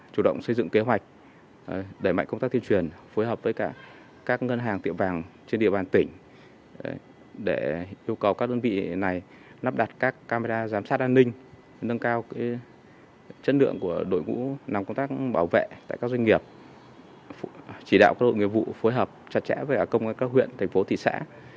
chỉ đạo các đội nghiệp vụ phối hợp chặt chẽ với công an các huyện thành phố thị xã